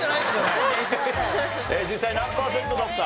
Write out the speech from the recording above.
実際何パーセントだった？